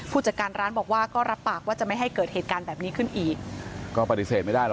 ผู้จัดการร้านบอกว่าก็รับปากว่าจะไม่ให้เกิดเหตุการณ์แบบนี้ขึ้นอีกก็ปฏิเสธไม่ได้หรอ